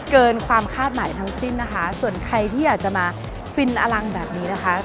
เกินความคาดหมายทั้งสิ้นนะคะส่วนใครที่อยากจะมาฟินอลังแบบนี้นะคะ